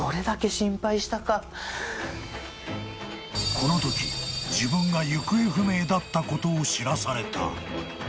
［このとき自分が行方不明だったことを知らされた］